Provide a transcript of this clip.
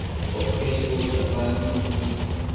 Coquesh tuscatannu